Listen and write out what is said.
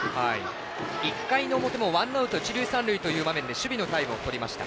１回の表もワンアウト一塁三塁という場面で守備のタイムをとりました。